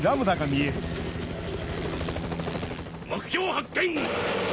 目標発見！